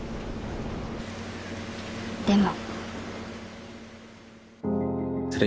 でも。